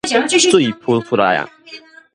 水浡出來矣！